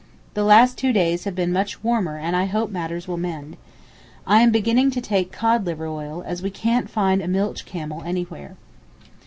The last two days have been much warmer and I hope matters will mend. I am beginning to take cod liver oil, as we can't find a milch camel anywhere.